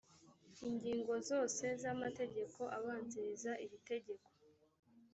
ingingo zose z amategeko abanziriza iri tegeko